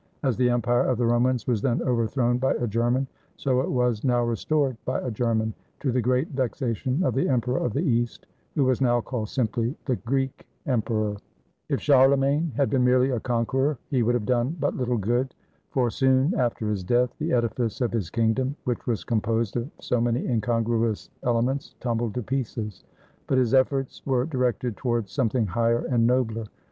As the Empire of the Romans was then overthrown by a German, so it was now restored by a German, to the great vexation of the Emperor of the East, who was now called simply the Greek Emperor. 162 THE CORONATION OF CHARLEMAGNE ISf D CHARLEMAGNE, EMPEROR OF THE WEST If Charlemagne had been merely a conqueror he would have done but little good, for soon after his death the edifice of his kingdom, which was composed of so many incongruous elements, tumbled to pieces. But his efforts were directed towards something higher and nobler.